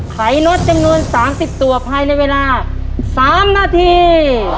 ขนดจำนวน๓๐ตัวภายในเวลา๓นาที